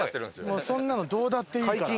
もうそんなのどうだっていいから。